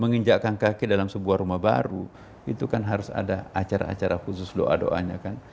menginjakkan kaki dalam sebuah rumah baru itu kan harus ada acara acara khusus doa doanya kan